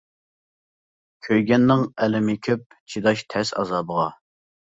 كۆيگەننىڭ ئەلىمى كۆپ، چىداش تەس ئازابىغا.